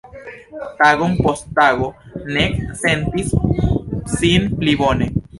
Tagon post tago, Ned sentis sin pli bone.